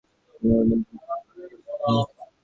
তিনি হুডিনির ভক্ত ছিলেন।